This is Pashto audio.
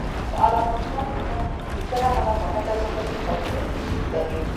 د علامه رشاد لیکنی هنر مهم دی ځکه چې فلسفي لید لري.